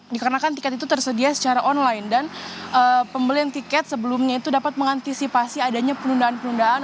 dikarenakan tiket itu tersedia secara online dan pembelian tiket sebelumnya itu dapat mengantisipasi adanya penundaan penundaan